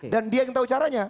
dan dia yang tahu caranya